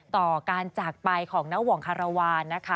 ต่อการจากไปของนางหวงคารวาล